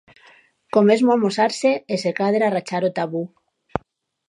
Co mesmo amosarse e, se cadra, rachar o tabú.